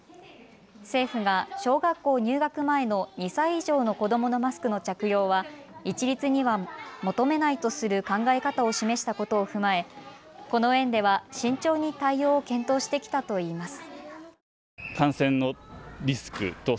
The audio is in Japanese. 政府が小学校入学前の２歳以上の子どものマスクの着用は一律には求めないとする考え方を示したことを踏まえこの園では慎重に対応を検討してきたといいます。